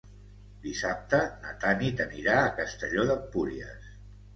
Dissabte na Tanit anirà a Castelló d'Empúries.